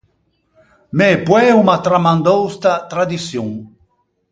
Mæ poæ o m’à tramandou sta tradiçion.